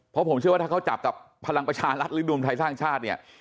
เพราะผมเชื่อว่าถ้าเขาจับกับพลังประชารัฐหรือรวมไทยสร้างชาติเนี่ย